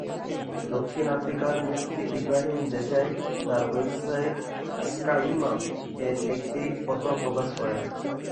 দক্ষিণ আফ্রিকার মুফতি ইব্রাহিম দেশাই তার ওয়েবসাইট "আস্কইমাম"-এ একটি ফতোয়া প্রকাশ করেন।